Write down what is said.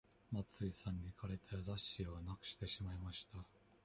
松井さんに借りた雑誌をなくしてしまいました。